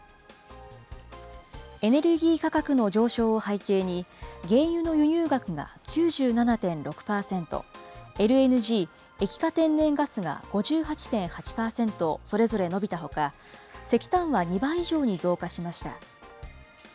エネルギー価格の上昇を背景に、原油の輸入額が９７．６％、ＬＮＧ・液化天然ガスが５８．８％それぞれ伸びたほか、石炭は２倍以上に増加しました。